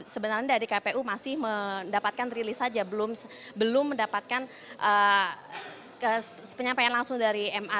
sebenarnya dari kpu masih mendapatkan rilis saja belum mendapatkan penyampaian langsung dari ma